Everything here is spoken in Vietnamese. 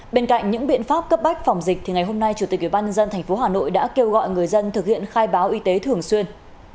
bên cạnh những biện pháp cấp bách phòng dịch thì ngày hôm nay chủ tịch ubnd tp hà nội đã kêu gọi người dân thực hiện khai báo y tế thường xuyên